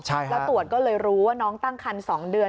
แล้วตรวจก็เลยรู้ว่าน้องตั้งคัน๒เดือน